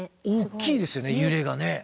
大きいですよね